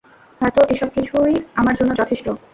হয়তো এসবকিছুই আমার জন্য যথেষ্ট।